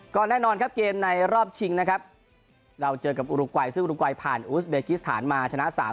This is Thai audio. ก็แน่นอนครับเกมในรอบชิงนะครับเราเจอกับอุรุกวัยซึ่งอุรุกวัยผ่านอุสเบกิสถานมาชนะ๓๐